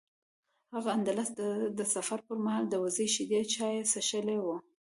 هغه اندلس ته د سفر پر مهال د وزې شیدو چای څښلي و.